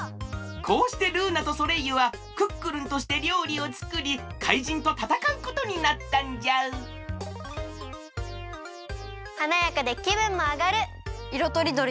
こうしてルーナとソレイユはクックルンとしてりょうりをつくり怪人とたたかうことになったんじゃはなやかできぶんもあがる！